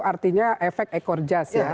artinya efek ekor jas ya